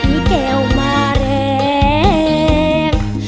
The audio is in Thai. อีแก้วมะแรง